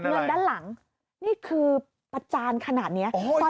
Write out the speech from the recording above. เงินด้านหลังนี่คือประจานขนาดนี้